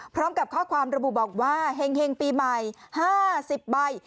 พร้อมกับข้อความระบุบอกว่าเฮ็งเฮ็งปีใหม่ห้าสิบใบ